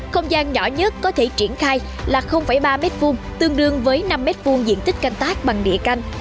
không gian nhỏ nhất có thể triển khai là ba m hai tương đương với năm m hai diện tích canh tác bằng địa canh